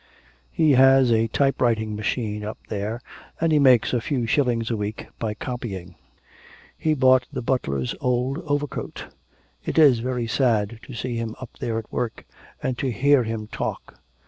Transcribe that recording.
He has a type writing machine up there, and he makes a few shillings a week by copying; he bought the butler's old overcoat... It is very sad to see him up there at work, and to hear him talk....